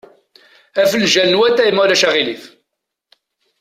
Afenǧal n watay, ma ulac aɣilif.